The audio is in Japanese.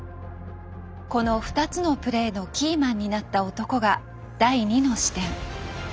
この２つのプレーのキーマンになった男が第２の視点。